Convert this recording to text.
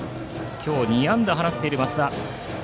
今日２安打放っている増田。